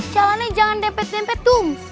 jalannya jangan dempet dempet tuh